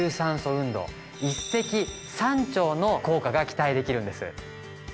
一石三鳥の効果が期待できるんです。